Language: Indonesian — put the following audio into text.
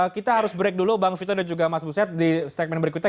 kita harus break dulu bang vito dan juga mas buset di segmen berikutnya